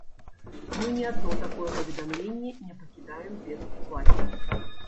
Мы ні адно такое паведамленне не пакідаем без увагі.